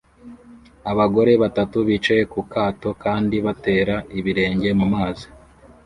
Abagore batatu bicaye ku kato kandi batera ibirenge mu mazi